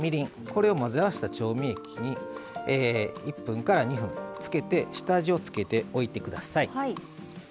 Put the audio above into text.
これを混ぜ合わせた調味液に１２分つけて下味を付けておいて下さい。